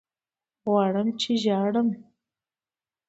غواړمه چې ژاړم